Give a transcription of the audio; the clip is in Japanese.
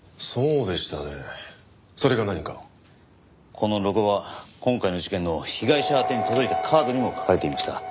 このロゴは今回の事件の被害者宛てに届いたカードにも描かれていました。